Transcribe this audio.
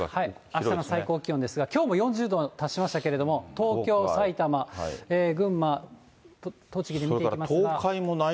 あしたの最高気温ですが、きょうも４０度まで達しましたけれども、東京、埼玉、群馬、栃木で見ていきますが。